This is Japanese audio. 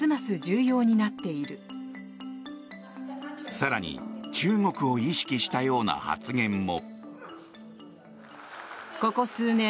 更に中国を意識したような発言も。